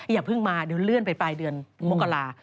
อย่าเพิ่งมาเดี๋ยวเลื่อนไปปลายเดือนมกรา